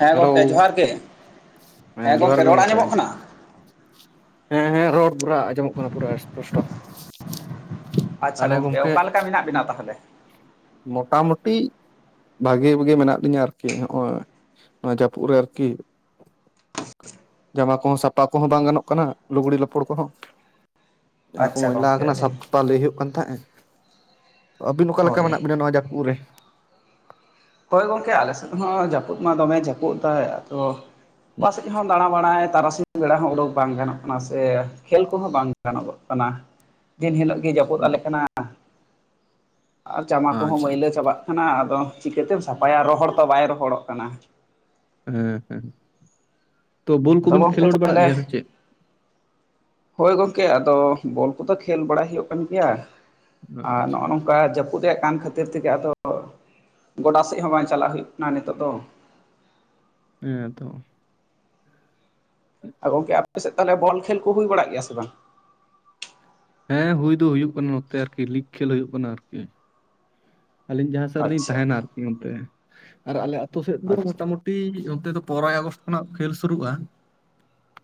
ᱦᱮᱸ ᱦᱮᱞᱳ ᱜᱚᱝᱠᱮ ᱡᱚᱦᱟᱨ ᱜᱮ ᱦᱮᱸ ᱡᱚᱦᱟᱨ ᱜᱚᱝᱠᱮ ᱜᱮ ᱨᱚᱲ ᱜᱚᱢᱠᱮ᱾ ᱟᱸᱡᱚᱢᱚᱜ ᱠᱟᱱᱟ ᱦᱮᱸ ᱦᱮᱸ ᱨᱚᱲ [unintelligible] ᱟᱸᱡᱚᱢᱚᱜ ᱠᱟᱱᱟ ᱯᱩᱨᱟᱹ ᱮᱥᱯᱚᱥᱴᱚ᱾ ᱟᱪᱪᱷᱟ ᱜᱚᱝᱠᱮ ᱚᱠᱟᱞᱮᱠᱟ ᱢᱮᱱᱟᱜ ᱵᱮᱱᱟ ᱛᱟᱦᱚᱞᱮ? ᱢᱚᱴᱟᱢᱩᱴᱤ ᱵᱷᱟᱜᱤ ᱵᱩᱜᱤ ᱢᱮᱱᱟᱜ ᱞᱤᱧᱟ ᱟᱨᱠᱤ ᱱᱚᱜ-ᱚᱭ, ᱱᱚᱣᱟ ᱡᱟᱹᱯᱩᱫ ᱨᱮ ᱟᱨᱠᱤ, ᱡᱟᱢᱟ ᱠᱚᱦᱚᱸ ᱥᱟᱯᱟ ᱠᱚᱦᱚᱸ ᱵᱟᱝ ᱜᱟᱱᱚᱜ ᱠᱟᱱᱟ ᱞᱩᱜᱽᱲᱤ ᱞᱟᱹᱯᱩᱲ ᱠᱚᱦᱚᱸ, ᱡᱟᱦᱟᱸ ᱠᱚ ᱟᱪᱪᱷᱟ ᱢᱚᱭᱞᱟ ᱜᱚᱝᱠᱮ ᱠᱟᱱᱟ ᱟᱹᱰᱤ ᱥᱟᱯ ᱯᱟ ᱞᱟᱹᱭ ᱦᱩᱭᱩᱜ ᱠᱟᱱ ᱛᱟᱦᱮᱸᱜ-ᱟ, ᱟᱵᱤᱱ ᱚᱠᱟ ᱞᱮᱠᱟ ᱦᱳᱭ ᱢᱮᱱᱟᱜ ᱵᱤᱱᱟ ᱱᱚᱣᱟ ᱡᱟᱯᱩᱜ ᱨᱮ? ᱦᱚᱭ ᱜᱚᱝᱠᱮ ᱟᱞᱮ ᱥᱮᱫ ᱦᱚᱸ ᱡᱟᱯᱩᱫ ᱢᱟ ᱫᱚᱢᱮᱭ ᱡᱟᱯᱩᱫ ᱫᱟᱭ ᱟᱫᱚ ᱚᱠᱟᱥᱮᱫ ᱦᱚᱸ ᱫᱟᱬᱟ ᱵᱟᱲᱟᱭ ᱛᱟᱨᱟᱥᱤ ᱵᱮᱲᱟ ᱦᱚᱸ ᱩᱰᱩᱠ ᱵᱟᱝ ᱜᱟᱱᱚᱜ ᱠᱟᱱᱟ ᱥᱮ ᱠᱷᱮᱞ ᱠᱚᱦᱚᱸ ᱵᱟᱝ ᱜᱟᱱᱚᱜᱚᱜ ᱠᱟᱱᱟ ᱫᱤᱱ ᱦᱤᱞᱳᱜ ᱜᱤ ᱡᱟᱹᱯᱩᱫ ᱟᱞᱮ ᱠᱟᱱᱟ ᱟᱨ ᱡᱟᱢᱟ ᱠᱚᱦᱚᱸ ᱟᱪᱪᱷᱟ ᱢᱟᱹᱭᱞᱟᱹ ᱟᱪᱪᱷᱟ ᱪᱟᱵᱟᱜ ᱠᱟᱱᱟ ᱟᱫᱚ ᱪᱤᱠᱟᱹᱛᱮᱢ ᱥᱟᱯᱷᱟᱭᱟ ᱨᱚᱦᱚᱲ ᱛᱚ ᱵᱟᱭ ᱨᱚᱦᱚᱲᱚᱜ ᱠᱟᱱᱟ᱾ ᱦᱮᱸ ᱦᱮᱸ ᱛᱚ ᱵᱳᱞ ᱟᱫᱚ ᱠᱚᱵᱤᱱ ᱜᱚᱝᱠᱮ ᱠᱷᱮᱞᱳᱰ ᱵᱟᱲᱟᱜ ᱛᱟᱦᱚᱞᱮ ᱜᱮᱭᱟ ᱥᱮ ᱪᱮᱫ? ᱦᱳᱭ ᱜᱚᱢᱠᱮ ᱟᱫᱚ ᱵᱚᱞ ᱠᱚᱫᱚ ᱠᱷᱮᱞ ᱵᱟᱲᱟᱭ ᱦᱩᱭᱩᱜ ᱠᱟᱱ ᱜᱮᱭᱟ, ᱟᱨ ᱟᱪᱪᱷᱟ ᱱᱚᱜ-ᱚ ᱱᱚᱝᱠᱟ ᱡᱟᱹᱯ ᱩᱫᱮ ᱠᱟᱱ ᱠᱷᱟᱹᱛᱤᱨ ᱛᱮᱜᱮ, ᱟᱫᱚ ᱜᱚᱰᱟ ᱥᱮᱫ ᱦᱚᱸ ᱵᱟᱝ ᱪᱟᱞᱟᱜ ᱦᱩᱭᱩᱜ ᱠᱟᱱᱟ ᱱᱤᱛᱚᱜ ᱫᱚ ᱦᱮᱸ ᱛᱚ᱾ ᱜᱚᱝᱠᱮ ᱟᱯᱮᱥᱮᱫ ᱛᱟᱦᱚᱞᱮ ᱵᱚᱞ ᱠᱷᱮᱞ ᱠᱚ ᱦᱩᱭ ᱵᱟᱲᱟᱜ ᱜᱮᱭᱟ ᱥᱮ ᱵᱟᱝ? ᱦᱮᱸ ᱦᱩᱭ ᱫᱚ ᱦᱩᱭᱩᱜ ᱠᱟᱱᱟ᱾ᱱᱚᱛᱮ ᱟᱨᱠᱤ ᱞᱤᱜᱽ ᱠᱷᱮᱞ ᱦᱩᱭᱩᱜ ᱠᱟᱱᱟ ᱟᱨᱠᱤ᱾ ᱟᱹᱞᱤᱧ ᱡᱟᱦᱟᱸ ᱥᱮᱫ ᱨᱮᱞᱤᱧ ᱟᱪᱪᱷᱟ ᱛᱟᱦᱮᱱᱟ ᱟᱨ ᱠᱤ ᱚᱱᱛᱮ ᱟᱨ ᱟᱞᱮ ᱟᱛᱩ ᱥᱮᱫ ᱫᱚ ᱟᱪᱪᱷᱟ ᱢᱚᱴᱟᱼᱢᱩᱴᱼᱼ ᱴᱤᱡ ᱚᱱᱛᱮ ᱫᱚ ᱯᱚᱨᱟᱭ ᱟᱜᱚᱥᱴ ᱠᱷᱚᱱᱟᱜ ᱠᱷᱮᱹᱞ ᱥᱩᱨᱩᱜ-ᱟ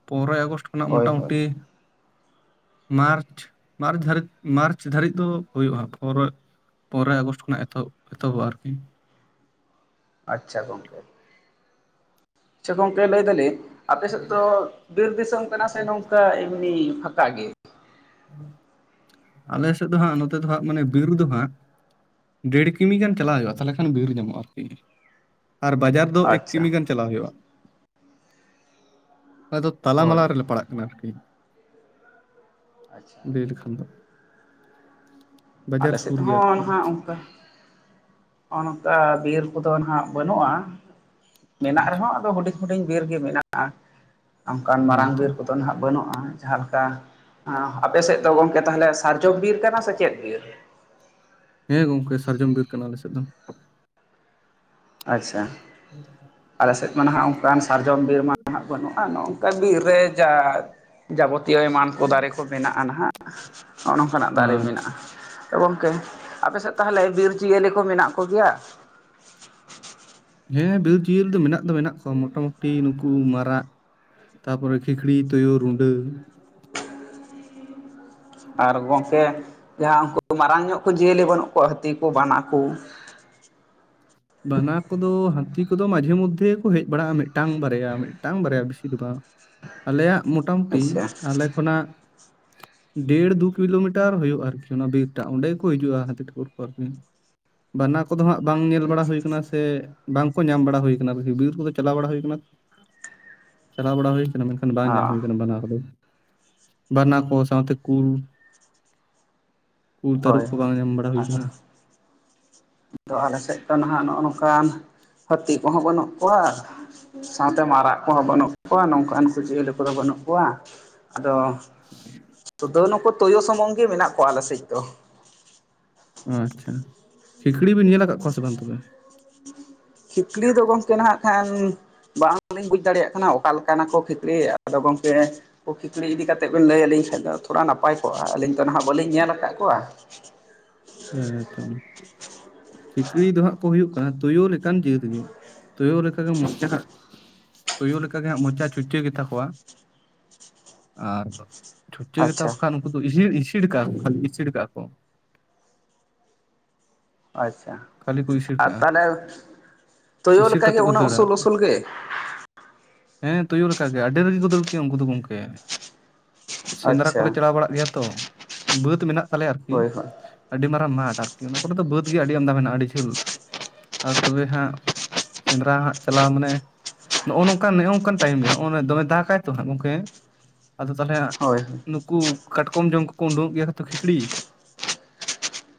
ᱯᱚᱱᱨᱚᱭ ᱟᱜᱚᱥᱴ ᱠᱷᱚᱱᱟᱜ ᱦᱳᱭ ᱦᱳᱭ ᱢᱚᱴᱟᱼᱢᱩᱴᱤᱼᱼ ᱢᱟᱨᱪ ᱢᱟᱨᱪ ᱫᱷᱟᱨᱤᱡ ᱢᱟᱨᱪ ᱫᱷᱟᱹᱨᱤᱡ ᱫᱚ ᱦᱩᱭᱩᱜ-ᱟ ᱦᱟᱸᱜ ᱯᱚᱨᱚᱭ ᱯᱚᱸᱨᱚᱭ ᱟᱜᱚᱥᱴ ᱠᱷᱚᱱᱟᱜ ᱮᱛᱚᱦᱚᱵ ᱮᱛᱚᱦᱚᱵᱚᱜ-ᱟ ᱟᱨ ᱠᱤ᱾ ᱟᱪᱪᱷᱟ ᱜᱚᱝᱠᱮ᱾ ᱟᱪᱪᱷᱟ ᱜᱚᱝᱠᱮ ᱞᱟᱹᱭ ᱫᱟᱹᱞᱤᱧ ᱟᱯᱮ ᱥᱮᱫ ᱫᱚ ᱵᱤᱨ ᱫᱤᱥᱟᱹᱢ ᱠᱟᱱᱟ ᱥᱮ ᱱᱚᱝᱠᱟ ᱮᱢᱱᱤ ᱯᱷᱟᱠᱟ ᱜᱮ? ᱟᱞᱮ ᱥᱮᱫ ᱫᱚ ᱦᱟᱸᱜ ᱱᱚᱛᱮ ᱫᱚ ᱦᱟᱸᱜ ᱢᱟᱱᱮ ᱵᱤᱨ ᱫᱚ ᱦᱟᱸᱜᱼᱼ ᱰᱮᱹᱲ ᱠᱤᱢᱤ ᱜᱟᱱ ᱪᱟᱞᱟᱣ ᱦᱩᱭᱩᱜ-ᱟ ᱛᱟᱦᱚᱞᱮ ᱠᱷᱟᱱ ᱵᱤᱨ ᱧᱟᱢᱚᱜ-ᱟ ᱟᱨ ᱠᱤ ᱟᱨ ᱵᱟᱡᱟᱨᱼᱼ ᱫᱚ ᱮᱠ ᱟᱪᱪᱷᱟ ᱠᱤᱢᱤ ᱜᱟᱱ ᱪᱟᱞᱟᱣ ᱦᱩᱭᱩᱜ-ᱟ, ᱟᱫᱚ ᱛᱟᱞᱟ ᱦᱳᱭ ᱢᱟᱞᱟ ᱨᱮᱞᱮ ᱯᱟᱲᱟᱜ ᱱᱟ ᱟᱨ ᱠᱤ᱾ ᱟᱪᱷᱟ᱾ ᱞᱟᱹᱭ ᱞᱮᱠᱷᱟᱱ ᱫᱚ ᱵᱟᱡᱟᱨ ᱟᱞᱮ ᱥᱮᱫ ᱥᱩᱨ ᱜᱮᱭᱟ ᱟᱨ ᱦᱚᱸ ᱠᱤ᱾ ᱚᱸ ᱱᱚᱝᱠᱟ ᱵᱤᱨ ᱠᱚᱫᱚ ᱱᱟᱸᱦᱟᱜ ᱵᱟᱹᱱᱩᱜ-ᱟ ᱢᱮᱱᱟᱜ ᱟᱪᱪᱷᱟ ᱨᱮᱦᱚᱸ ᱟᱫᱚ ᱦᱩᱰᱤᱧᱼᱼ ᱦᱩᱰᱤᱧ ᱵᱤᱨ ᱜᱮ ᱢᱤᱱᱟᱜ-ᱟ ᱚᱱᱠᱟᱱ ᱦᱮᱸ ᱢᱟᱨᱟᱝ ᱛᱚ ᱵᱤᱨ ᱠᱚᱫᱚ ᱟᱜ ᱵᱟᱹᱱᱩᱜ-ᱟ ᱡᱟᱦᱟᱸ ᱞᱮᱠᱟᱼᱼ ᱟᱸᱻ ᱟᱯᱮ ᱥᱮᱫ ᱫᱚ ᱜᱚᱝᱠᱮ ᱛᱟᱦᱚᱞᱮ ᱥᱟᱨᱡᱚᱢ ᱵᱤᱨ ᱠᱟᱱᱟ ᱥᱮ ᱪᱮᱫ ᱵᱤᱨ? ᱦᱮᱸ ᱜᱚᱝᱠᱮ ᱥᱟᱨᱡᱚᱢ ᱵᱤᱨ ᱠᱟᱱᱟ ᱟᱞᱮ ᱥᱮᱫ ᱫᱚ᱾ ᱟᱪᱪᱷᱟ ᱟᱞᱮ ᱥᱮᱫ ᱢᱟ ᱱᱟᱦᱟᱜ ᱚᱱᱠᱟᱱ ᱥᱟᱨᱡᱚᱢ ᱵᱤᱨ ᱢᱟ ᱱᱟᱦᱟᱜ ᱵᱟᱹᱱᱩᱜ-ᱟ᱾ ᱟᱨ ᱱᱚᱝᱠᱟ ᱵᱤᱨ ᱨᱮ ᱡᱟ ᱡᱟᱵᱚᱛᱤᱭᱟᱹ ᱮᱢᱟᱱ ᱠᱚ ᱫᱟᱨᱮ ᱠᱚ ᱢᱮᱱᱟᱜ-ᱟ ᱱᱟᱦᱟᱜ᱾ ᱦᱚᱸᱜ-ᱚ ᱱᱚᱝᱠᱟᱱᱟᱜ ᱫᱟᱨᱮ ᱟᱪᱪᱷᱟ ᱢᱤᱱᱟᱜ-ᱟ᱾ ᱛᱚ ᱜᱚᱝᱠᱮ, ᱟᱯᱮ ᱥᱮᱫ ᱛᱟᱦᱚᱞᱮ ᱵᱤᱨ ᱪᱤᱭᱟᱹᱞᱤ ᱠᱚ ᱢᱮᱱᱟᱜ ᱠᱚ ᱜᱮᱭᱟ? ᱦᱮᱸ ᱵᱤᱨ ᱪᱤᱭᱟᱹᱞᱤ ᱫᱚ ᱢᱤᱱᱟᱜ ᱫᱚ ᱢᱮᱱᱟᱜ ᱠᱚᱣᱟ ᱢᱚᱴᱟᱼᱢᱩᱴᱤ ᱱᱩᱠᱩ ᱢᱟᱨᱟᱜ᱾ ᱛᱟᱯᱚᱨᱮ ᱠᱷᱤᱸᱠᱲᱤ ᱛᱩᱭᱩ ᱨᱩᱸᱰᱟᱹ᱾ ᱟᱨ ᱜᱚᱝᱠᱮ ᱡᱟᱦᱟᱸ ᱩᱱᱠᱩ ᱢᱟᱨᱟᱝ ᱧᱚᱜ ᱠᱚ ᱡᱤᱭᱟᱹᱞᱤ ᱵᱟᱹᱱᱩᱜ ᱠᱚᱣᱟ ᱦᱟᱹᱛᱤ ᱠᱩ ᱵᱟᱱᱟ ᱠᱩ? ᱵᱟᱱᱟ ᱠᱚᱫᱚ ᱦᱟᱹᱛᱤ ᱠᱩᱫᱚ ᱢᱟᱡᱷᱮ ᱢᱚᱫᱽᱫᱷᱮ ᱠᱚ ᱦᱮᱡ ᱵᱟᱲᱟᱜ-ᱟ ᱢᱮᱫᱴᱟᱝ ᱵᱟᱨᱭᱟ ᱢᱮᱫᱴᱟᱝ ᱵᱟᱨᱭᱟ ᱵᱤᱥᱤ ᱫᱩ ᱵᱟᱝ᱾ ᱟᱞᱮᱭᱟᱜ ᱢᱳᱴᱟ-ᱢᱩᱴᱤ ᱟᱪᱪᱷᱟ ᱟᱞᱮ ᱠᱷᱚᱱᱟᱜ ᱰᱮᱹᱲ ᱫᱩ ᱠᱤᱞᱳᱢᱤᱴᱟᱨ ᱦᱩᱭᱩᱜ-ᱟ ᱟᱨ ᱠᱤ ᱚᱱᱟ ᱵᱤᱨ ᱴᱟᱜ ᱚᱸᱰᱮ ᱜᱮᱠᱚ ᱦᱤᱡᱩᱜ-ᱟ ᱦᱟᱹᱛᱤ ᱴᱷᱟᱹᱠᱩᱨ ᱠᱩ‌ ᱟᱨ‌ᱠᱤ ᱾ ᱵᱟᱱᱟ ᱠᱚᱫᱚ ᱦᱟᱸᱜ ᱵᱟᱝ ᱧᱮᱞ ᱵᱟᱲᱟᱼᱼ ᱥᱮ ᱵᱟᱝᱠᱚ ᱧᱟᱢ ᱵᱟᱲᱟ ᱦᱩᱭ ᱠᱟᱱᱟ ᱵᱤᱨ ᱠᱚᱫᱚ ᱪᱟᱞᱟᱣ ᱵᱟᱲᱟ ᱦᱩᱭ ᱠᱟᱱᱟ ᱪᱟᱞᱟᱣ ᱵᱟᱲᱟ ᱦᱩᱭᱼᱼ ᱢᱮᱱᱠᱷᱟᱱ ᱵᱟᱝ ᱧᱟᱢ ᱦᱳᱭ ᱦᱩᱭ ᱠᱟᱱᱟ ᱵᱟᱱᱟ ᱠᱩᱫᱚ ᱵᱟᱱᱟ ᱠᱚ ᱥᱟᱶᱛᱮ ᱠᱩᱞ᱾ ᱠᱩᱞ ᱛᱟᱨᱩᱵ ᱦᱳᱭ ᱠᱩ ᱵᱟᱝ ᱧᱟᱢ ᱵᱟᱲᱟ ᱦᱩᱭ ᱠᱟᱱᱟ? ᱟᱫᱚ ᱟᱞᱮ ᱥᱮᱫ ᱫᱚ ᱱᱟᱦᱟᱜ ᱱᱚᱜ-ᱚ ᱱᱚᱝᱠᱟᱱ ᱦᱟᱹᱛᱤ ᱠᱚᱦᱚᱸ ᱵᱟᱹᱱᱩᱜ ᱠᱚᱣᱟ᱾ ᱥᱟᱶᱛᱮ ᱢᱟᱨᱟᱜ ᱠᱚᱦᱚᱸ ᱵᱟᱹᱱᱩᱜ ᱠᱚᱣᱟ ᱱᱚᱝᱠᱟᱱ ᱠᱚ ᱡᱤᱭᱟᱹᱞᱤ ᱠᱚᱫᱚ ᱵᱟᱹᱱᱩᱜ ᱠᱚᱣᱟ ᱟᱫᱚᱼᱼ ᱥᱩᱫᱩ ᱱᱩᱠᱩ ᱛᱳᱭᱩ ᱥᱩᱢᱩᱝ ᱜᱮ ᱢᱤᱱᱟᱜ ᱠᱚᱣᱟ ᱟᱞᱮ ᱥᱮᱡ ᱫᱚ᱾ ᱟᱪᱪᱷᱟ ᱠᱷᱤᱠᱲᱤ ᱵᱤᱱ ᱧᱮᱞ ᱟᱠᱟᱜ ᱠᱚᱣᱟ ᱥᱮ ᱵᱟᱝ ᱛᱚᱵᱮ? ᱠᱷᱤᱠᱲᱤ ᱫᱚ ᱜᱚᱝᱠᱮ ᱱᱟᱦᱟᱸᱜ ᱠᱷᱟᱱᱼᱼ ᱵᱟᱝ ᱞᱤᱧ ᱵᱩᱡᱽ ᱫᱟᱲᱮᱭᱟᱜ ᱠᱟᱱᱟ ᱚᱠᱟ ᱞᱮᱠᱟᱱᱟ ᱠᱚ ᱠᱷᱤᱸᱠᱲᱤ ᱟᱫᱚ ᱜᱚᱝᱠᱮᱼᱼ ᱠᱚ ᱠᱷᱤᱠᱲᱤ ᱤᱫᱤ ᱠᱟᱛᱮᱫ ᱵᱮᱱ ᱞᱟᱹᱭ ᱟᱹᱞᱤᱧ ᱠᱷᱟᱱ ᱫᱚ ᱛᱷᱚᱲᱟ ᱱᱟᱯᱟᱭ ᱠᱚᱜᱼᱟ ᱟᱹᱞᱤᱧ ᱫᱚ ᱦᱟᱸᱜ ᱵᱟᱹᱞᱤᱧ ᱧᱮᱞ ᱟᱠᱟᱫ ᱠᱚᱣᱟ ᱾ ᱦᱮᱸᱛ ᱾ ᱠᱷᱤᱠᱲᱤ ᱫᱚ ᱦᱟᱸᱜ ᱠᱚ ᱦᱩᱭᱩᱜ ᱠᱟᱱᱟ ᱛᱳᱭᱳ ᱞᱮᱠᱟᱱ ᱡᱟᱹᱛ ᱜᱮ ᱛᱳᱭᱳ ᱞᱮᱠᱟ ᱜᱮ ᱢᱚᱪᱟ ᱦᱟᱸᱜ ᱛᱩᱭᱩ ᱞᱮᱠᱟ ᱜᱮ ᱦᱟᱸᱜ ᱢᱚᱪᱟ ᱪᱩᱪᱟᱹ ᱜᱮᱛᱟ ᱠᱚᱣᱟ, ᱟᱨᱼᱼ ᱪᱷᱩᱪᱟᱹ ᱜᱮᱛᱟ ᱟᱪᱪᱷᱟ ᱠᱚ ᱠᱷᱟᱱ ᱩᱱᱠᱩ ᱫᱚ ᱤᱦᱤᱲ ᱤᱥᱤᱲ ᱠᱟᱜ-ᱟ ᱠᱚ ᱠᱷᱟᱞᱤ ᱤᱥᱤᱲ ᱠᱟᱜ-ᱟ ᱠᱚ᱾ ᱟᱪᱪᱷᱟ ᱠᱷᱟᱹᱞᱤ ᱠᱚ ᱤᱥᱤᱲ ᱟᱨ ᱠᱟᱜᱼᱟ ᱛᱟᱦᱞᱮ ᱛᱳᱭᱳ ᱤᱥᱤᱲ ᱞᱮᱠᱟ‌ ᱜᱮ ᱠᱟᱛᱮᱫ ᱠᱚ ᱩᱱᱟᱹᱜ ᱫᱟᱹᱲᱟ ᱩᱥᱩᱞ ᱟᱨᱠᱤ ᱩᱥᱩᱞ ᱜᱮ᱾ ᱦᱮᱸ ᱛᱩᱭᱩ ᱞᱮᱠᱟ ᱜᱮ ᱟᱰᱤ ᱨᱮᱜᱮ ᱫᱟᱹᱲ ᱠᱮᱭᱟ ᱩᱝᱠᱩ ᱫᱚ ᱜᱚᱝᱠᱮ᱾ ᱥᱮᱸᱫᱽᱨᱟ ᱟᱪᱪᱷᱟ ᱠᱚᱞᱮ ᱪᱟᱞᱟᱣ ᱵᱟᱲᱟᱜ ᱜᱮᱭᱟ ᱛᱚ ᱵᱟᱹᱫ ᱢᱮᱱᱟᱜ ᱛᱟᱞᱮᱭᱟ ᱟᱨ ᱠᱤ᱾ ᱦᱳᱭ ᱦᱳᱭ ᱟᱹᱰᱤ ᱢᱟᱨᱟᱝ ᱢᱟᱴᱷ ᱟᱨ ᱠᱤ ᱚᱱᱟ ᱠᱚᱨᱮ ᱫᱚ ᱵᱟᱛᱷ ᱜᱮ ᱟᱹᱰᱤ ᱟᱢᱫᱟ ᱢᱮᱱᱟᱜ-ᱟ ᱟᱹᱰᱤ ᱡᱷᱟᱹᱞ ᱟᱨ ᱛᱚᱵᱮ ᱦᱟᱸᱜᱼᱼ ᱥᱮᱸᱫᱽᱨᱟ ᱦᱟᱸᱜ ᱪᱟᱞᱟᱣ ᱢᱟᱱᱮ᱾ ᱱᱚᱜ-ᱚ ᱱᱚᱝᱠᱟᱱ ᱱᱚᱜ-ᱱᱚᱝᱠᱟ ᱴᱟᱭᱤᱢ ᱜᱮ ᱱᱚᱜ-ᱚᱭ ᱫᱚᱢᱮ ᱫᱟᱠᱟᱭ ᱛᱚ ᱦᱟᱸᱜ ᱜᱚᱝᱠᱮ᱾ ᱟᱫᱚ ᱛᱟᱞᱦᱮ ᱦᱳᱭ ᱦᱳᱭ ᱱᱩᱠᱩ ᱠᱟᱴᱠᱚᱢ ᱡᱚᱢ ᱠᱚᱠᱚ ᱩᱰᱩᱠᱚᱜ ᱜᱮᱭᱟ ᱛᱚ ᱠᱷᱤᱠᱲᱤ ᱾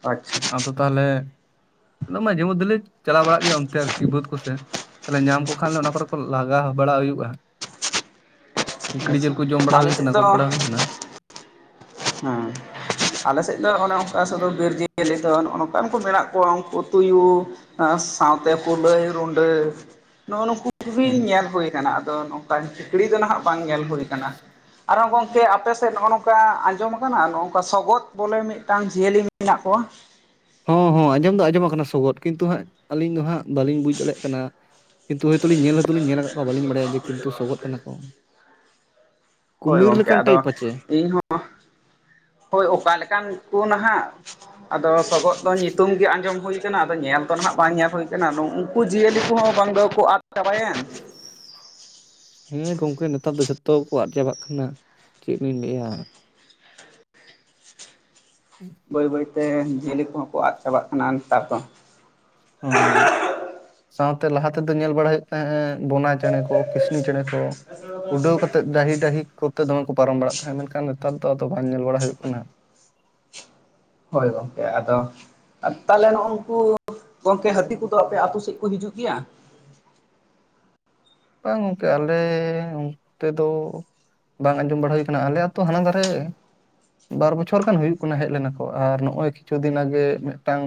ᱟᱪᱪᱷᱟ ᱾ ᱟᱫᱚ ᱛᱟᱦᱚᱞᱮ ᱚᱱᱟ ᱢᱟᱡᱷᱮ ᱢᱚᱫᱽᱷᱞᱮ ᱪᱟᱞᱟᱣ ᱵᱟᱲᱟᱜ ᱜᱮᱭᱟ ᱚᱱᱛᱮ ᱟᱨᱠᱤ ᱵᱟᱹᱫᱽ ᱠᱚ ᱥᱮᱱ ᱾ ᱛᱟᱦᱚᱞᱮ ᱧᱟᱢ ᱠᱚ ᱠᱷᱟᱱ ᱞᱮ ᱚᱱᱟ ᱠᱚᱨᱮ ᱠᱚ ᱞᱟᱜᱟᱣ ᱵᱟᱲᱟ ᱦᱩᱭᱩᱜᱼᱟ ᱾ ᱠᱷᱠᱲᱤ ᱡᱤᱞ ᱟᱪᱪᱷᱟ ᱠᱚ ᱡᱚᱢ ᱵᱟᱲᱟ ᱟᱞᱮ ᱦᱩᱭ ᱥᱮᱫ ᱟᱠᱟᱱᱟ ᱜᱚᱡ ᱫᱚ ᱵᱟᱲᱟ ᱦᱩᱭ ᱟᱠᱟᱱᱟ ᱾ ᱦᱮᱸ ᱟᱞᱮ ᱥᱮᱫ ᱫᱚ ᱚᱱᱮ ᱚᱱᱠᱟ ᱥᱮᱫ ᱵᱤᱨ ᱡᱤᱭᱟᱹᱞᱤ ᱫᱚ ᱱᱚᱜᱚ ᱱᱚᱝᱠᱟᱱ ᱠᱚ ᱢᱮᱱᱟᱜ ᱠᱚᱣᱟ ᱩᱱᱠᱩ ᱛᱩᱭᱩ ᱾ ᱥᱟᱶᱛᱮ ᱠᱩᱞᱟᱹᱭ ᱨᱩᱰᱟᱹ ᱱᱚᱜ ᱱᱩᱠᱩ ᱠᱚ ᱜᱮ ᱦᱩᱸ ᱧᱮᱞ ᱦᱩᱭ ᱟᱫᱚ ᱱᱚᱝᱠᱟᱱ ᱠᱷᱤᱠᱲᱤ ᱫᱚ ᱱᱟᱦᱟᱜ ᱵᱟᱝ ᱧᱮᱞ ᱦᱩᱭ ᱟᱠᱟᱱᱟ ᱾ ᱟᱨᱦᱚᱸ ᱜᱚᱝᱠᱮ ᱟᱯᱮ ᱥᱮᱫ ᱱᱚᱜᱼᱚ ᱱᱚᱝᱠᱟ ᱡᱚᱢ ᱟᱠᱟᱱᱟ ᱱᱚᱝᱠᱟ ᱥᱚᱜᱚᱛ ᱵᱚᱞᱮ ᱢᱤᱫᱴᱟᱝ ᱡᱤᱭᱟᱹᱞᱤ ᱢᱮᱱᱟᱜ ᱠᱚᱣᱟ ᱦᱚᱸ ᱦᱚᱸ ᱟᱸᱡᱚᱢ ᱫᱚ ᱟᱸᱡᱚᱢ ᱟᱠᱟᱱᱟ ᱥᱚᱜᱚᱫ ᱠᱤᱱᱛᱩ ᱦᱟᱸᱜ ᱟᱹᱞᱤᱧ ᱫᱚ ᱦᱟᱸᱜ ᱵᱟᱹᱞᱤᱧ ᱵᱩᱡᱽ ᱫᱟᱲᱮᱭᱟᱜ ᱠᱟᱱᱟ ᱾ ᱠᱤᱱᱛᱩ ᱦᱚᱭᱛᱳ ᱞᱤᱧ ᱧᱮᱞ ᱦᱚᱭᱛᱚ ᱞᱤᱧ ᱧᱮᱞ ᱟᱠᱟᱫ ᱠᱚᱣᱟ ᱵᱟᱞᱤᱧ ᱵᱟᱲᱟᱭᱟ ᱡᱮ ᱠᱤᱱᱛᱩ ᱥᱚᱜᱚᱫ ᱠᱟᱱᱟ ᱠᱚ ᱾ ᱦᱳᱭ ᱠᱩᱢᱤᱨ ᱜᱚᱝᱠᱮ ᱞᱮᱠᱟᱱ ᱟᱫᱚ ᱴᱟᱭᱤᱯ ᱟᱪᱮ? ᱤᱧ ᱦᱳᱭ ᱚᱠᱟ ᱞᱮᱠᱟᱱ ᱠᱚ ᱱᱟᱦᱟᱜ ᱟᱫᱚ ᱥᱚᱜᱚᱫ ᱫᱚ ᱧᱩᱛᱩᱢ ᱜᱮ ᱟᱸᱡᱚᱢ ᱦᱩᱭ ᱟᱫᱚ ᱧᱮᱞ ᱫᱚ ᱱᱟᱦᱟᱜ ᱵᱟᱝ ᱧᱮᱞ ᱦᱩᱭ ᱟᱠᱟᱱᱟ ᱩᱱᱠᱩ ᱡᱤᱭᱟᱹᱞᱤ ᱠᱚᱦᱚᱸ ᱵᱟᱝ ᱫᱚᱠᱚ ᱟᱫ ᱪᱟᱵᱟᱭᱮᱱ ᱾ ᱦᱮᱸ ᱜᱚᱝᱠᱮ ᱱᱮᱛᱟᱨ ᱫᱚ ᱡᱷᱚᱛᱚ ᱠᱚ ᱟᱫ ᱪᱟᱵᱟᱜ ᱠᱟᱱᱟ ᱪᱮᱫ ᱞᱤᱧ ᱞᱟᱹᱭᱟ ᱾ ᱵᱟᱹᱭ ᱵᱟᱹᱭ ᱛᱮ ᱡᱤᱭᱟᱹᱞᱤ ᱠᱚᱦᱚᱸ ᱠᱚ ᱟᱫ ᱪᱟᱵᱟᱜ ᱠᱟᱱᱟ ᱱᱮᱛᱟᱨ ᱫᱚ ᱾ ᱚ ᱥᱟᱶᱛᱮ ᱞᱟᱦᱟ ᱛᱮᱫᱚ ᱧᱮᱞ ᱵᱟᱲᱟ ᱦᱩᱭᱩᱜ ᱛᱟᱦᱮᱸ ᱵᱚᱱᱟ ᱪᱮᱬᱮ ᱠᱚ ᱠᱤᱥᱱᱤ ᱪᱮᱬᱮ ᱠᱚ ᱾ ᱩᱰᱟᱹᱣ ᱠᱟᱛᱮᱜ ᱰᱟᱹᱦᱤ ᱰᱟᱹᱦᱤ ᱠᱚᱛᱮ ᱫᱚᱢᱮ ᱠᱚ ᱯᱟᱨᱚᱢ ᱵᱟᱲᱟᱜ ᱛᱟᱦᱮᱸᱫ ᱢᱮᱱᱠᱷᱟᱱ ᱱᱮᱛᱟᱨ ᱫᱚ ᱟᱫᱚ ᱵᱟᱝ ᱧᱮᱞ ᱵᱟᱲᱟ ᱦᱩᱭᱩᱜ ᱠᱟᱱᱟ ᱾ ᱦᱳᱭ ᱜᱚᱢᱠᱮ ᱟᱫᱚ ᱟᱨ ᱛᱟᱦᱚᱞᱮ ᱱᱩᱜ ᱩ ᱱᱩᱠᱩ ᱜᱚᱝᱠᱮ ᱦᱟᱹᱛᱤ ᱠᱚᱫᱚ ᱟᱯᱮ ᱟᱹᱛᱩ ᱥᱮᱫ ᱠᱚ ᱦᱤᱡᱩᱜ ᱜᱮᱭᱟ? ᱵᱟᱝ ᱜᱚᱝᱠᱮ ᱟᱞᱮ ᱚᱱᱛᱮ ᱫᱚ ᱵᱟᱝ ᱟᱸᱡᱚᱢ ᱵᱟᱲᱟ ᱦᱩᱭ ᱟᱠᱟᱱᱟ ᱟᱞᱮ ᱟᱛᱚ ᱦᱟᱱᱟ ᱫᱷᱟᱨᱮ ᱵᱟᱨ ᱵᱚᱪᱷᱚᱨ ᱜᱟᱱ ᱦᱩᱭᱩᱜ ᱠᱟᱱᱟ ᱦᱮᱡ ᱞᱮᱱᱟ ᱠᱚ ᱟᱨ ᱱᱚᱜᱚᱭ ᱠᱤᱪᱷᱩ ᱫᱤᱱ ᱟᱜᱮ ᱢᱤᱫᱴᱟᱝ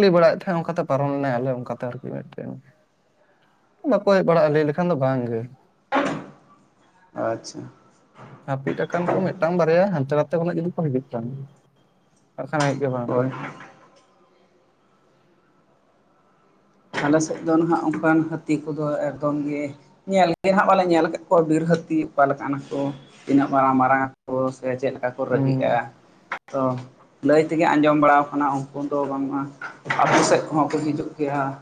ᱞᱟᱹᱭ ᱵᱟᱲᱟᱭᱮᱫ ᱛᱟᱦᱮᱸᱜ ᱚᱱᱠᱟᱛᱮ ᱯᱟᱨᱚᱢ ᱞᱮᱱᱟᱭ ᱟᱞᱮ ᱚᱱᱠᱟᱛᱮ ᱟᱨᱠᱤ ᱢᱤᱫᱴᱮᱱ ᱾ ᱠᱚ ᱦᱮᱡ ᱵᱟᱲᱟᱜᱼᱟ ᱞᱟᱹᱭ ᱞᱮᱠᱷᱟᱱ ᱫᱚ ᱵᱟᱝ ᱜᱮ ᱾ ᱟᱪᱪᱷᱟ ᱾ ᱦᱟᱹᱯᱤᱫ ᱟᱠᱟᱱ ᱠᱚ ᱢᱤᱫᱴᱟᱝ ᱵᱟᱨᱭᱟ ᱦᱟᱱᱛᱮ ᱱᱟᱛᱮ ᱠᱷᱚᱱᱟᱜ ᱡᱩᱫᱤ ᱠᱚ ᱦᱤᱡᱩᱜ ᱠᱷᱟᱱ ᱵᱟᱠᱷᱟᱱ ᱦᱮᱡ ᱜᱮ ᱵᱟᱝ ᱾ ᱦᱳᱭ ᱟᱞᱮ ᱥᱮᱫ ᱫᱚ ᱱᱟᱦᱟᱜ ᱟᱱᱠᱟᱱ ᱦᱟᱹᱛᱤ ᱠᱚᱫᱚ ᱮᱠᱫᱚᱢ ᱜᱮ ᱧᱮᱞ ᱜᱮ ᱦᱟᱜ ᱵᱟᱞᱮ ᱧᱮᱞ ᱠᱟᱜ ᱠᱚᱣᱟ ᱵᱤᱨ ᱦᱟᱹᱛᱤ ᱚᱠᱟ ᱞᱮᱠᱟᱱᱟ ᱠᱚ ᱛᱤᱱᱟᱹᱜ ᱢᱟᱨᱟᱝ ᱢᱟᱨᱟᱝ ᱠᱚ ᱥᱮ ᱪᱮᱫ ᱞᱮᱠᱟ ᱠᱚ ᱦᱩᱸ ᱨᱟᱹᱜᱤᱜᱼᱟ ᱛᱚ ᱞᱟᱹᱭ ᱛᱮᱜᱮ ᱟᱸᱡᱚᱢ ᱵᱟᱲ ᱠᱟᱱᱟ ᱩᱱᱠᱩ ᱫᱚ ᱵᱟᱝ ᱢᱟ ᱟᱛᱚ ᱥᱮᱫ ᱠᱚᱦᱚᱸ ᱠᱚ ᱦᱤᱡᱩᱜ ᱜᱮᱭᱟ ᱾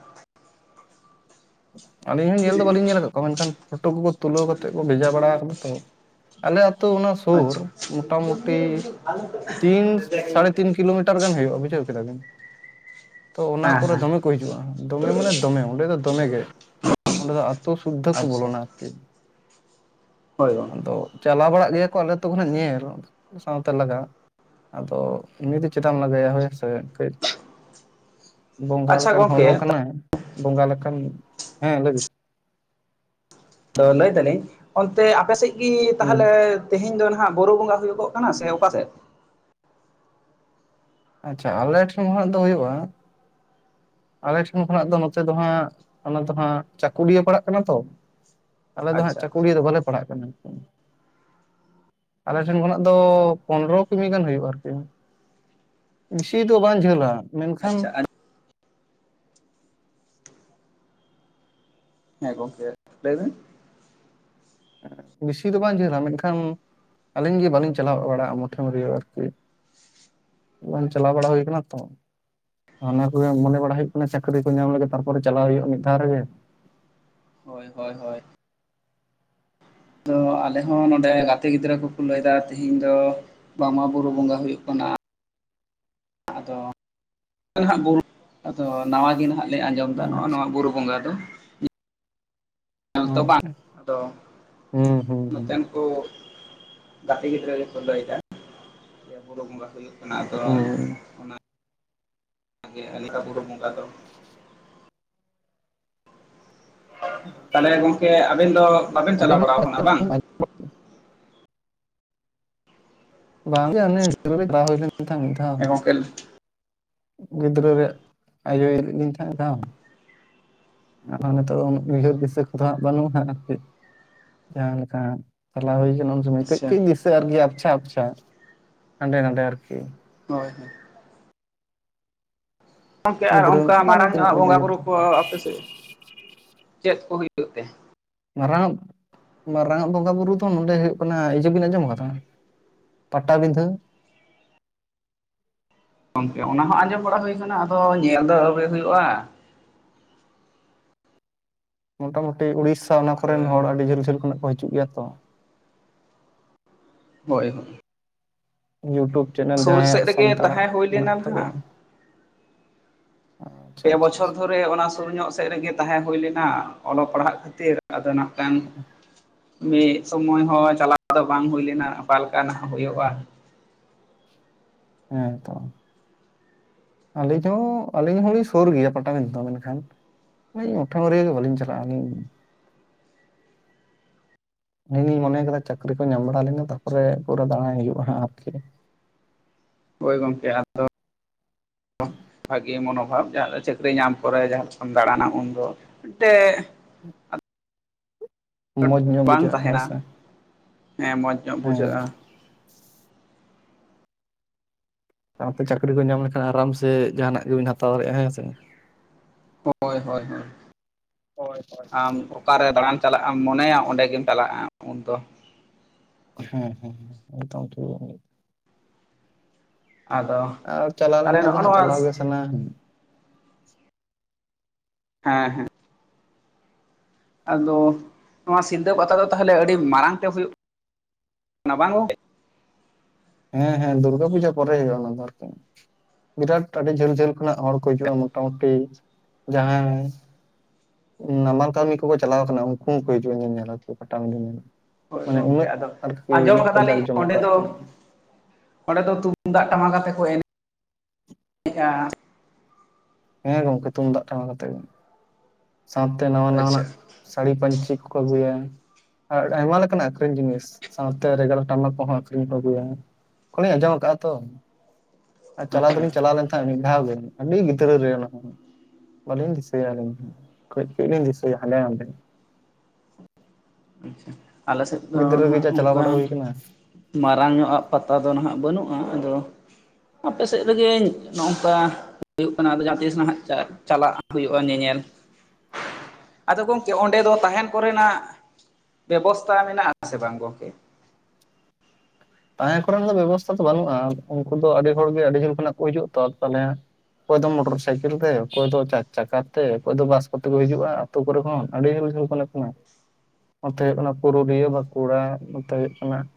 ᱟᱹᱞᱤᱧ ᱦᱚᱸ ᱧᱮᱞ ᱫᱚ ᱵᱟᱹᱞᱤᱧ ᱧᱮᱞ ᱟᱠᱟᱫ ᱠᱚᱣᱟ ᱢᱮᱱᱠᱷᱟᱱ ᱯᱷᱳᱴᱳ ᱠᱚᱠᱚ ᱛᱩᱞᱟᱹᱣ ᱠᱟᱛᱮᱫ ᱠᱚ ᱵᱷᱮᱡᱟ ᱵᱟᱲᱟ ᱟᱠᱟᱫᱟ ᱾ ᱛᱚ ᱟᱞᱮ ᱟᱛᱳ ᱚᱱᱟ ᱥᱩᱨ ᱟᱪᱪᱷᱟ ᱢᱳᱚᱴᱟᱢᱩᱴᱤ ᱛᱤᱱ ᱥᱟᱲᱮ ᱛᱤᱱ ᱠᱤᱞᱳᱢᱤᱴᱟ ᱜᱟᱱ ᱦᱩᱭᱩᱜᱼᱟ ᱵᱩᱡᱷᱟᱹᱣ ᱠᱮᱫᱟ ᱵᱤᱱ ᱛᱚ ᱚᱱᱟ ᱦᱮᱸ ᱠᱚᱨᱮ ᱦᱮᱸ ᱫᱚᱢᱮ ᱠᱚ ᱦᱤᱡᱩᱜᱼᱟ ᱫᱚᱢᱮ ᱢᱟᱱᱮ ᱫᱚᱢᱮ ᱚᱸᱰᱮ ᱫᱚᱢᱮ ᱜᱮ ᱚᱸᱰᱮ ᱫᱚ ᱟᱛᱚ ᱥᱩᱫᱽᱫᱷᱚ ᱠᱚ ᱟᱪᱪᱷᱟ ᱵᱚᱞᱚᱱᱟ ᱟᱨᱠᱤ ᱾ ᱦᱳᱭ ᱜᱚᱝᱠᱮ ᱟᱫᱚ ᱪᱟᱞᱟᱣ ᱵᱟᱲᱟᱜ ᱜᱮᱭᱟ ᱠᱚ ᱟᱞᱮ ᱟᱛᱳ ᱠᱷᱚᱱᱟᱜ ᱧᱮᱞ ᱥᱟᱶᱛᱮ ᱞᱟᱜᱟ ᱾ ᱟᱫᱚ ᱩᱱᱤ ᱫᱚ ᱪᱮᱫᱟᱢ ᱞᱟᱜᱟᱭᱟ ᱦᱳᱭ ᱥᱮ ᱠᱟᱹᱡ ᱵᱚᱸᱜᱟ ᱟᱪᱪᱷᱟ ᱞᱮᱠᱟᱱ ᱦᱚᱲ ᱦᱚᱸ ᱜᱚᱝᱠᱮ ᱠᱟᱱᱟᱭ ᱵᱚᱸᱜᱟ ᱞᱮᱠᱟᱱ ᱦᱮᱸ ᱞᱟᱹᱭ ᱵᱤᱱ ᱾ ᱛᱚ ᱞᱟᱹᱭ ᱫᱟᱞᱤᱧ ᱚᱱᱛᱮ ᱟᱯᱮᱥᱮᱫ ᱜᱮ ᱦᱩᱸ ᱛᱟᱦᱚᱞᱮ ᱛᱮᱦᱮᱧ ᱫᱚ ᱦᱟᱜ ᱵᱩᱨᱩ ᱵᱚᱸᱜᱟ ᱦᱩᱭᱩᱜᱚᱜ ᱠᱟᱱᱟ ᱥᱮ ᱚᱠᱟᱥᱮᱫ? ᱟᱪᱪᱷᱟ ᱟᱞᱮ ᱴᱷᱮᱱ ᱠᱷᱱᱟᱜ ᱫᱚ ᱦᱩᱭᱩᱜᱼᱟ ᱟᱞᱮ ᱴᱷᱮᱱ ᱠᱷᱚᱱᱟᱜ ᱫᱚ ᱱᱚᱛᱮ ᱫᱚ ᱦᱟᱸᱜ ᱚᱱᱟ ᱫᱚ ᱦᱟᱸᱜ ᱪᱟᱹᱠᱩᱞᱤᱭᱟᱹ ᱯᱟᱲᱟᱜ ᱠᱟᱱᱟ ᱛᱚ ᱟᱞᱮ ᱫᱚ ᱦᱟᱸᱜ ᱟᱪᱪᱷᱟ ᱟᱪᱪᱷᱟ ᱪᱟᱹᱠᱩᱞᱤᱭᱟᱹ ᱫᱚ ᱵᱟᱞᱮ ᱯᱟᱲᱟᱜ ᱠᱟᱱᱟ [unintelligible] ᱟᱞᱮ ᱴᱷᱮᱱ ᱠᱷᱚᱱᱟᱜ ᱫᱚ ᱯᱚᱱᱨᱚ ᱠᱤᱢᱤ ᱜᱟᱱ ᱦᱩᱭᱩᱜᱼᱟ ᱟᱨᱠᱤ ᱵᱤᱥᱤ ᱫᱚ ᱵᱟᱝ ᱡᱷᱟᱹᱞᱟ ᱢᱮᱱᱠᱷᱟᱱ ᱟᱪᱪᱷᱟ ᱦᱮᱸ ᱜᱚᱝᱠᱮ ᱞᱟᱹᱭ ᱢᱮ ᱵᱮᱥᱤ ᱫᱚ ᱵᱟᱝ ᱡᱷᱟᱹᱞᱟ ᱢᱮᱱᱠᱷᱟᱱ ᱟᱹᱞᱤᱧ ᱜᱮ ᱵᱟᱹᱞᱤᱧ ᱪᱟᱞᱟᱣ ᱵᱟᱲᱟᱜᱼᱟ ᱢᱚᱴᱷᱮᱢ ᱨᱤᱭᱟᱹᱣ ᱟᱨᱠᱤ ᱵᱟᱝ ᱟᱪᱪᱷᱟ ᱪᱟᱞᱟᱣ ᱵᱟᱲᱟ ᱟᱪᱪᱷᱟ ᱦᱩᱭ ᱠᱟᱱᱟ ᱛᱚ ᱚᱱᱟ ᱠᱚᱜᱮ ᱢᱚᱱᱮ ᱵᱟᱲᱟ ᱦᱩᱭᱩᱜ ᱠᱟᱱᱟ ᱪᱟᱹᱠᱨᱤ ᱠᱚ ᱧᱟᱢ ᱞᱮᱜᱮ ᱛᱟᱨᱯᱚᱨᱮ ᱪᱟᱞᱟᱣ ᱦᱳᱭᱳᱜᱼᱟ ᱢᱤᱫ ᱫᱷᱟᱣ ᱨᱮᱜᱮ ᱦᱳᱭ ᱦᱳᱭ ᱦᱳᱭ ᱟᱫᱚ ᱟᱞᱮ ᱦᱚᱸ ᱱᱚᱰᱮ ᱜᱟᱛᱮ ᱜᱤᱫᱽᱨᱟᱹ ᱠᱚᱠᱚ ᱞᱟᱹᱭ ᱫᱟ ᱛᱤᱦᱤᱧ ᱫᱚ ᱵᱟᱝᱢᱟ ᱵᱩᱨᱩ ᱵᱚᱸᱜᱟ ᱦᱩᱭᱩᱜ ᱠᱟᱱᱟ ᱟᱫᱚ ᱱᱟᱦᱟᱜ [unintelligible] ᱟᱫᱚ ᱱᱟᱣᱟ ᱜᱮ ᱱᱟᱦᱟᱜ ᱞᱮ ᱟᱸᱡᱚᱢᱫᱟ ᱱᱚᱜ-ᱚ ᱟᱪᱪᱷᱟ ᱱᱚᱣᱟ ᱵᱩᱨᱩ ᱵᱚᱸᱜᱟ ᱫᱚ ᱧᱮᱞ ᱛᱚ ᱵᱟᱝ ᱟᱪᱪᱷᱟ ᱟᱫᱚ ᱦᱩᱸ ᱦᱩᱸ ᱦᱩᱸ ᱱᱚᱛᱮᱱ ᱠᱚ ᱜᱟᱛᱮ ᱜᱤᱫᱽᱨᱟᱹ ᱜᱮᱠᱚ ᱞᱟᱹᱭ ᱫᱟ ᱵᱩᱨᱩ ᱵᱚᱸᱜᱟ ᱦᱩᱭᱩᱜ ᱠᱟᱱᱟ ᱟᱫᱚ ᱦᱩᱸ [unintelligible] ᱵᱩᱨᱩ ᱵᱚᱸᱜᱟ ᱫᱚ ᱛᱟᱞᱦᱮ ᱜᱚᱝᱠᱮ ᱟᱵᱮᱱ ᱫᱚ ᱵᱟᱵᱮᱱ ᱪᱟᱞᱟᱣ ᱟᱹᱞᱤᱧ ᱵᱟᱲᱟ ᱠᱟᱱᱟ ᱵᱟᱝ? ᱦᱚᱸ ᱵᱟᱝ ᱜᱮ ᱚᱱᱮ [unintelligible] ᱢᱤᱫ ᱫᱷᱟᱣ ᱦᱮᱸ ᱜᱚᱝᱠᱮ ᱜᱤᱫᱽᱨᱟᱹ ᱨᱮ ᱟᱭᱳᱭ ᱤᱫᱤ ᱞᱮᱫᱤᱧ ᱛᱟᱸᱦᱮ [unintelligible] ᱟᱨ ᱱᱤᱛᱚᱜ ᱫᱚ ᱩᱱᱟᱹᱜ ᱩᱭᱦᱟᱹᱨ ᱫᱤᱥᱟᱹ ᱠᱚᱫᱚ ᱵᱟᱹᱱᱩᱜᱼᱟ ᱦᱟᱸᱜ ᱟᱨᱠᱤ ᱡᱟᱦᱟᱸᱞᱮᱠᱟ ᱪᱟᱞᱟᱣ ᱦᱩᱭ ᱠᱟᱱᱟ ᱡᱮᱢᱚᱱ ᱠᱟᱺᱡ ᱟᱪᱪᱷᱟ ᱠᱟᱺᱡ ᱤᱧ ᱫᱤᱥᱟᱹᱭᱟ ᱟᱨᱠᱤ ᱟᱯᱪᱷᱟ ᱟᱯᱪᱷᱟ ᱦᱟᱸᱰᱮ ᱱᱟᱰᱮ ᱟᱨᱠᱤ ᱦᱳᱭ ᱦᱳᱭ ᱜᱚᱝᱠᱮ ᱟᱨ ᱜᱤᱫᱽᱨᱟᱹ ᱚᱱᱠᱟ ᱨᱮᱱᱟᱜ ᱫᱚ ᱟᱫᱚ ᱢᱟᱨᱟᱝ ᱧᱚᱜ ᱛᱤᱱᱟᱹᱜ ᱟᱜ ᱵᱤᱱ ᱵᱚᱸᱜᱟ ᱩᱭᱦᱟᱹᱨ ᱵᱩᱨᱩ ᱠᱚ ᱛᱟᱵᱚᱱᱟ ᱟᱯᱮ ᱥᱮᱫ ᱪᱮᱫ ᱠᱚ ᱦᱩᱭᱩᱜ ᱛᱮ ᱢᱟᱨᱟᱝᱟᱜ ᱢᱟᱨᱟᱝ ᱟᱜ ᱵᱚᱸᱜᱟ ᱵᱩᱨᱩ ᱫᱚ ᱱᱚᱰᱮ ᱦᱩᱭᱩᱜ ᱠᱟᱱᱟ ᱤᱭᱟᱹ ᱵᱤᱱ ᱟᱸᱡᱚᱢ ᱠᱟᱫᱟ ᱯᱟᱴᱟᱵᱤᱸᱫᱷᱟᱹ ᱜᱚᱝᱠᱮ ᱚᱱᱟ ᱦᱚᱸ ᱟᱸᱡᱚᱢ ᱵᱟᱲᱟ ᱦᱩᱭ ᱠᱟᱱᱟ ᱟᱫᱚ ᱧᱮᱞ ᱫᱚ ᱟᱹᱣᱨᱤ ᱦᱩᱭᱩᱜᱼᱟ ᱢᱚᱴᱟᱢᱩᱴᱤ ᱩᱲᱤᱥᱥᱟ ᱚᱱᱟ ᱠᱚᱨᱮᱱ ᱦᱚᱲ ᱟᱹᱰᱤ ᱡᱷᱟᱹᱞ ᱡᱷᱟᱹᱞ ᱠᱷᱚᱱᱟᱜ ᱠᱚ ᱦᱟᱡᱩᱜ ᱜᱮᱭᱟ ᱛᱚ ᱦᱳᱭ ᱦᱳᱭ ᱤᱭᱩᱴᱩᱵᱽ ᱪᱮᱱᱮᱞ ᱥᱩᱨ ᱡᱟᱸᱦᱟᱭᱟᱜ ᱥᱮᱫ ᱨᱮᱜᱮ ᱥᱟᱱᱛᱟᱲᱟᱜ ᱛᱟᱦᱮᱸ ᱦᱩᱭ ᱢᱮᱱᱟᱜ ᱞᱮᱱᱟ ᱛᱟᱠᱚᱣᱟ ᱱᱟᱦᱟᱜ ᱟᱪᱪᱷᱟ ᱯᱮ ᱟᱪᱪᱷᱟ ᱵᱚᱪᱷᱚᱨ ᱟᱪᱪᱷᱟ ᱫᱷᱚᱨᱮ ᱚᱱᱟ ᱥᱩᱨ ᱧᱚᱜ ᱥᱮᱫ ᱨᱮᱜᱮ ᱛᱟᱸᱦᱮ ᱦᱩᱭ ᱞᱮᱱᱟ ᱚᱞᱚᱜ ᱯᱟᱲᱦᱟᱜ ᱠᱷᱟᱹᱛᱤᱨ ᱟᱫᱚ ᱱᱟᱜ ᱠᱷᱟᱱ ᱢᱤᱫ ᱥᱚᱢᱚᱭ ᱦᱚᱸ ᱪᱟᱞᱟᱣ ᱟᱫᱚ ᱵᱟᱝ ᱦᱩᱭ ᱞᱮᱱᱟ ᱚᱠᱟ ᱞᱮᱠᱟᱱᱟᱜ ᱦᱳᱭᱳᱜᱼᱟ ᱦᱮᱸ ᱛᱚ ᱟᱹᱞᱤᱧ ᱦᱚᱸ ᱟᱹᱞᱤᱧ ᱦᱚᱸ ᱞᱤᱧ ᱥᱩᱨ ᱜᱮᱭᱟ ᱯᱟᱴᱟᱵᱤᱱᱫᱟᱹ ᱫᱚ ᱢᱮᱱᱠᱷᱟᱱ ᱦᱳᱭ ᱩᱴᱷᱟᱹᱣ ᱨᱮᱭᱟᱜ ᱜᱮ ᱵᱟᱹᱞᱤᱧ ᱪᱟᱞᱟᱜ ᱟᱹᱞᱤᱧ ᱤᱧᱤᱧ ᱢᱚᱱᱮ ᱠᱟᱫᱟ ᱪᱟᱹᱠᱨᱤ ᱠᱚ ᱧᱟᱢ ᱵᱟᱲᱟ ᱞᱮᱱ ᱜᱮ ᱛᱟᱨᱯᱚᱨᱮ ᱯᱩᱨᱟᱹ ᱫᱟᱬᱟᱭ ᱦᱩᱭᱩᱜᱼᱟ ᱦᱟᱸᱜ ᱟᱨᱠᱤ ᱦᱳᱭ ᱜᱚᱝᱠᱮ ᱟᱫᱚ ᱵᱷᱟᱜᱤ ᱢᱚᱱᱳᱵᱷᱟᱵ ᱡᱟᱸᱦᱟ ᱪᱟᱹᱠᱨᱤ ᱪᱟᱹᱠᱨᱤ ᱧᱟᱢ ᱯᱚᱨᱮ ᱡᱟᱸᱦᱟ ᱞᱮᱠᱟᱢ ᱫᱟᱬᱟᱱᱟ ᱩᱱᱫᱚ ᱢᱤᱫᱴᱮᱡ ᱢᱚᱸᱡᱽ ᱧᱚᱜ ᱵᱟᱝ ᱵᱩᱡᱷᱟᱹᱜᱼᱟ ᱦᱮᱸ ᱛᱟᱸᱦᱮᱱᱟ ᱥᱮ ᱦᱮᱸ ᱢᱚᱡᱽ ᱧᱚᱜ ᱦᱮᱸ ᱵᱩᱡᱷᱟᱹᱜᱼᱟ ᱥᱟᱶᱛᱮ ᱪᱟᱹᱠᱨᱤ ᱠᱚ ᱧᱟᱢ ᱞᱮᱠᱷᱟᱱ ᱟᱨᱟᱢ ᱥᱮ ᱡᱟᱦᱟᱱᱟᱜ ᱜᱮᱵᱤᱱ ᱦᱟᱛᱟᱣ ᱫᱟᱲᱮᱭᱟᱜᱼᱟ ᱦᱮᱸ ᱥᱮ ᱦᱳᱭ, ᱦᱳᱭ, ᱦᱳᱭ, ᱦᱳᱭ ᱦᱳᱭ ᱟᱢ ᱫᱚ ᱚᱠᱟᱨᱮ ᱫᱟᱬᱟᱱ ᱪᱟᱞᱟᱜ ᱮᱢ ᱢᱚᱱᱮᱭᱟ ᱚᱸᱰᱮ ᱜᱮᱢ ᱪᱟᱞᱟᱜᱼᱟ ᱩᱱᱫᱚ ᱾ ᱦᱩᱸ ᱦᱩᱸ ᱦᱩᱸ ᱮᱠᱫᱚᱢ ᱴᱷᱤᱠ ᱜᱮ ᱵᱤᱱ ᱟᱫᱚ ᱟᱨ ᱪᱟᱞᱟᱣ ᱛᱟᱦᱚᱞᱮ ᱞᱮᱱᱠᱷᱟᱱ ᱫᱚ ᱱᱚᱜᱼᱚ ᱦᱟᱸᱜ ᱱᱚᱣᱟ ᱪᱟᱞᱟᱣ ᱜᱮ ᱥᱟᱱᱟ ᱦᱟ ᱦᱮᱸ ᱦᱮᱸ ᱟᱫᱚ ᱱᱚᱣᱟ ᱥᱤᱞᱫᱟᱹ ᱯᱟᱛᱟ ᱫᱚ ᱛᱟᱦᱞᱮ ᱟᱹᱰᱤ ᱢᱟᱲᱟᱝ ᱛᱮ ᱦᱳᱭᱳᱜ [inaudible] ᱵᱟᱝ ᱜᱚᱢ ᱦᱮᱸ ᱦᱮᱸ ᱫᱩᱨᱜᱟ ᱯᱩᱡᱟ ᱯᱚᱨᱮ ᱦᱩᱭᱩᱜ-ᱟ ᱟᱨᱠᱩ, ᱵᱤᱨᱟᱴ ᱟᱹᱰᱤ ᱡᱷᱟᱹᱞ ᱡᱷᱟᱹᱞ ᱠᱷᱚᱱᱟᱜ ᱦᱚᱲ ᱠᱚ ᱦᱤᱡᱩᱜᱼᱟ ᱢᱳᱚᱴᱟᱢᱩᱴᱤ ᱡᱟᱸᱦᱟᱭ ᱱᱟᱢᱟᱞ ᱠᱟᱹᱢᱤ ᱠᱚᱠᱚ ᱪᱟᱞᱟᱣ ᱠᱟᱱᱟ ᱩᱱᱠᱩ ᱦᱚᱸᱠᱚ ᱦᱤᱡᱩᱜᱼᱟ ᱧᱮᱧᱮᱞ ᱟᱨᱠᱤ ᱯᱟᱴᱟᱵᱤᱱᱫᱷᱟᱹ ᱧᱮᱞ ᱦᱳᱭ ᱢᱟᱱᱮ ᱜᱚᱝᱠᱮ ᱩᱱᱟᱹᱜ ᱟᱫᱚ ᱟᱨᱠᱤ ᱩᱱᱟᱹᱜ ᱟᱸᱡᱚᱢ ᱠᱚ ᱡᱟᱠ ᱠᱟᱫᱟᱞᱤᱧ ᱡᱚᱢᱚᱠ ᱚᱸᱰᱮ ᱫᱚ ᱟᱨᱠᱤ ᱚᱸᱰᱮ ᱫᱚ ᱛᱩᱢᱫᱟᱜ ᱴᱟᱢᱟᱠ ᱟᱛᱮ ᱠᱚ ᱮᱱᱮ - ᱮᱱᱮᱜᱼᱟ ᱾ ᱦᱮᱸ ᱜᱚᱝᱠᱮ ᱛᱩᱢᱫᱟᱜ ᱴᱟᱢᱟᱠ ᱟᱛᱮ ᱜᱮ ᱾ ᱥᱟᱶᱛᱮ ᱱᱟᱣᱟ ᱟᱪᱪᱷᱟ ᱱᱟᱣᱟᱱᱟᱜ ᱥᱟᱹᱲᱤ ᱯᱟᱹᱧᱪᱤ ᱠᱚᱠᱚ ᱟᱹᱜᱩᱭᱟ ᱾ ᱟᱨ ᱟᱭᱢᱟᱞᱮᱠᱟᱱᱟᱜ ᱟᱠᱷᱨᱤᱧ ᱡᱤᱱᱤᱥ ᱥᱟᱶᱛᱮ ᱨᱮᱜᱟᱨ ᱴᱟᱢᱟᱠ ᱠᱚᱦᱚᱸ ᱟᱠᱷᱨᱤᱧ ᱠᱚ ᱟᱹᱜᱩᱭᱟ ᱾ ᱠᱦᱚᱱᱤᱧ ᱟᱸᱡᱚᱢ ᱟᱠᱟᱜᱼᱟ ᱛᱚ ᱟᱨ ᱪᱟᱞᱟᱣ ᱟᱪᱪᱷᱟ ᱫᱚᱞᱤᱧ ᱪᱟᱞᱟᱣ ᱞᱮᱱ ᱛᱟᱦᱮᱸᱫ ᱢᱤᱫ ᱫᱷᱟᱣ ᱜᱮ ᱟᱹᱰᱤ ᱜᱤᱫᱽᱨᱟᱹ ᱨᱮ ᱚᱱᱟ ᱦᱚᱸ, ᱵᱟᱹᱞᱤᱧ ᱫᱤᱥᱟᱹᱭᱟ ᱟᱹᱞᱤᱧ ᱦᱚᱸ ᱾ [unintelligible] ᱞᱤᱧ ᱫᱤᱥᱟᱭᱟ ᱦᱟᱸᱰᱮ ᱱᱟᱸᱰᱮ ᱾ ᱟᱪᱪᱷᱟ ᱟᱞᱮ ᱥᱮᱫ ᱫᱚ ᱜᱤᱫᱽᱨᱟᱹ ᱱᱦᱟᱸᱜ ᱜᱮ ᱡᱟ ᱪᱟᱞᱟᱣ ᱵᱟᱲᱟ ᱚᱱᱠᱟᱱ ᱦᱩᱭ ᱟᱠᱟᱱᱟ ᱼᱼ ᱢᱟᱨᱟᱝ ᱧᱚᱜᱼᱟ ᱯᱟᱛᱟ ᱫᱚ ᱱᱟᱦᱟᱜ ᱵᱟᱹᱱᱩᱜᱼᱟ ᱟᱫᱚ ᱼᱼ ᱟᱯᱮ ᱥᱮᱡ ᱨᱮᱜᱮᱧ ᱱᱚᱝᱠᱟ ᱼᱼ ᱦᱩᱭᱩᱜ ᱠᱟᱱᱟ ᱟᱫᱚ ᱡᱟᱦᱟᱸ ᱛᱤᱥ ᱱᱟᱦᱟᱜ ᱪᱟᱜ ᱪᱟᱞᱟᱜ ᱦᱩᱭᱩᱜᱼᱟ ᱧᱮᱧᱮᱞ ᱾ ᱟᱫᱚ ᱜᱚᱝᱠᱮ ᱚᱸᱰᱮ ᱫᱚ ᱛᱟᱦᱮᱱ ᱠᱚᱨᱮᱱᱟᱜ ᱼᱼ ᱵᱮᱵᱚᱥᱛᱟ ᱢᱮᱱᱟᱜᱼᱟ ᱥᱮ ᱵᱟᱝ ᱜᱚᱝᱠᱮ? ᱛᱟᱦᱮᱸ ᱠᱚᱨᱮᱱ ᱫᱚ ᱵᱮᱵᱚᱥᱛᱷᱟ ᱫᱚ ᱵᱟᱹᱱᱩᱜᱼᱟ ᱩᱱᱠᱩ ᱫᱚ ᱟᱹᱰᱤ ᱦᱚᱲᱜᱮ ᱟᱹᱰᱤ ᱡᱷᱟᱹᱞ ᱠᱷᱚᱱᱟᱜ ᱠᱚ ᱦᱤᱡᱩᱜᱼᱟ ᱛᱚ ᱛᱟᱦᱚᱞᱮ ᱼᱼ ᱚᱠᱚᱭ ᱫᱚ ᱢᱚᱴᱚᱨ ᱥᱟᱭᱠᱮᱞ ᱛᱮ ᱚᱠᱚᱭ ᱫᱚ ᱪᱟᱨ ᱪᱟᱠᱟ ᱛᱮ ᱚᱠᱚᱭ ᱫᱚ ᱵᱟᱥ ᱠᱚᱛᱮ ᱠᱚ ᱦᱤᱡᱩᱜᱼᱟ ᱾ [unintelligible] ᱠᱚᱨᱮ ᱠᱷᱚᱱ ᱟᱹᱰᱤ [inaudible] ᱱᱚᱛᱮ ᱚᱱᱟ ᱯᱩᱨᱩᱞᱤᱭᱟᱹ ᱵᱟᱸᱠᱩᱲᱟ ᱱᱚᱛᱮ ᱦᱳᱭᱳᱜ ᱠᱟᱱᱟ ᱼᱼ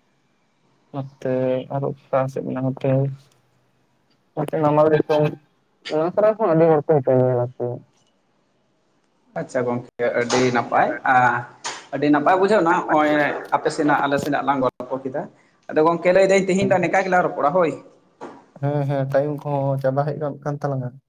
ᱱᱚᱛᱮ ᱟᱨ ᱚᱠᱟ ᱥᱮᱜ ᱢᱮᱱᱟᱜ ᱱᱚᱛᱮ ᱼᱼ [inaudible] ᱚᱱᱟ ᱠᱚᱨᱮ ᱠᱷᱚᱱ ᱟᱹᱰᱤ ᱦᱚᱲ ᱠᱚ ᱦᱟᱡᱩᱜ-ᱟ ᱟᱪᱪᱷᱟ ᱜᱚᱝᱠᱮ ᱟᱹᱰᱤ ᱟᱨᱠᱤ᱾ ᱱᱟᱯᱟᱭ ᱟᱹᱰᱤ ᱱᱟᱯᱟᱭ ᱵᱩᱡᱷᱟᱹᱣ ᱱᱟ ᱱᱚᱜᱼᱚᱭ ᱟᱯᱮ ᱥᱮᱱᱟᱜ ᱟᱞᱮ ᱼᱼ [unintelligible] ᱞᱟᱝ ᱜᱚᱞᱯᱚ ᱠᱮᱫᱟ ᱟᱫᱚ ᱜᱚᱝᱠᱮ ᱞᱟᱹᱭ ᱫᱟᱹᱧ ᱛᱤᱦᱤᱧ ᱫᱚ ᱱᱮᱠᱟ ᱜᱮᱞᱟᱝ ᱨᱚᱯᱚᱲᱟ ᱦᱳᱭ? ᱦᱮᱸ ᱦᱮᱸ ᱴᱟᱭᱤᱢ ᱠᱚᱦᱚᱸ ᱪᱟᱵᱟ ᱦᱮᱡ ᱜᱟᱱ ᱠᱟᱱ ᱛᱟᱞᱟᱝᱼᱟ ᱾